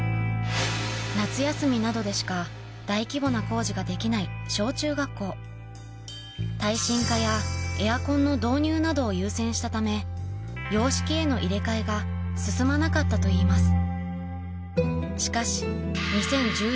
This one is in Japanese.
夏休みなどでしか大規模な工事ができない小・中学校耐震化やエアコンの導入などを優先したため洋式への入れ替えが進まなかったといいます